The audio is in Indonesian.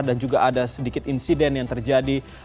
dan juga ada sedikit insiden yang terjadi